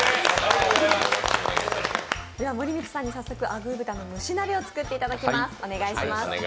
森満さんに早速、あぐー豚の蒸し鍋を作っていただいてます。